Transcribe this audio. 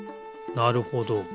なるほど。